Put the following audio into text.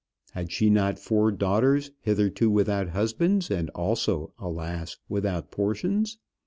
Had she not four daughters, hitherto without husbands, and also, alas! without portions?